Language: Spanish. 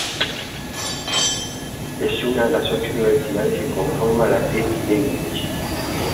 Es una de las ocho universidades que conforman la Ivy League.